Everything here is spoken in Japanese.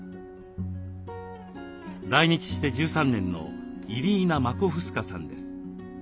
来日して１３年のイリーナ・マコフスカさんです。